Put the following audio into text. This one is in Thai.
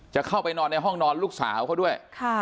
จะเข้าไปนอนในห้องนอนลูกสาวเขาด้วย